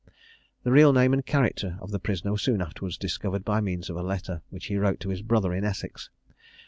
The real name and character of the prisoner were soon afterwards discovered by means of a letter, which he wrote to his brother in Essex.